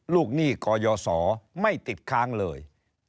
หนี้กยศไม่ติดค้างเลย